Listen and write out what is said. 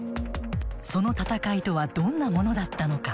その戦いとはどんなものだったのか。